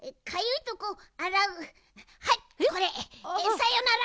さよなら！